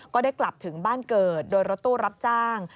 ก็ได้กลับถึงบ้านเกิดโดยรถตู้รับจ้าง